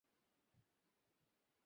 ভাই, ভেতরে কোথায় যাচ্ছেন?